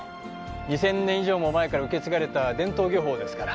２，０００年以上も前から受け継がれた伝統漁法ですから。